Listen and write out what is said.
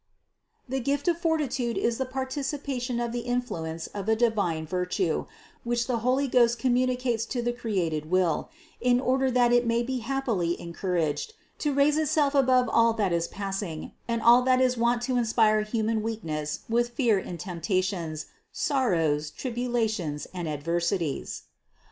The gift of fortitude is the participation of in fluence of a divine virtue, which the Holy Ghost com municates to the created will, in order that it may be hap pily encouraged to raise itself above all that is passing and all that is wont to inspire human weakness with fear in temptations, sorrows, tribulations and adversities.